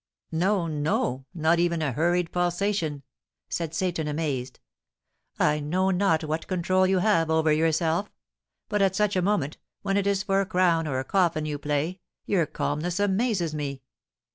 "No, no; not even a hurried pulsation," said Seyton, amazed. "I know not what control you have over yourself; but at such a moment, when it is for a crown or a coffin you play, your calmness amazes me!"